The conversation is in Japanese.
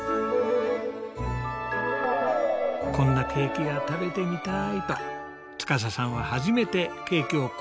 「こんなケーキが食べてみたい」と司さんは初めてケーキを購入。